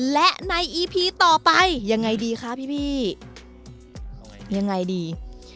และในอีพีต่อไปยังไงดีคะพี่ยังไงดี